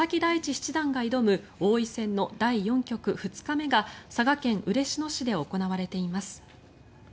七段が挑む王位戦の第４局２日目が佐賀県嬉野市で行われています。